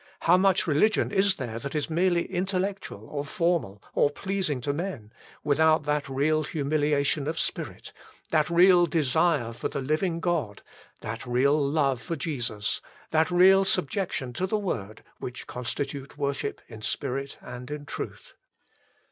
How much religion is there that is merely intellectual, or formal, or pleasing to men, without that real humiliation of spirit, that real desire for the living God, that real love for Jesus, that real subjection to the word, which constitute worship 156 THE FULL BLESSING OF PENTECOST in spirit and in truth.